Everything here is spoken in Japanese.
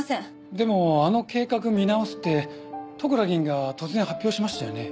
でもあの計画見直すって利倉議員が突然発表しましたよね。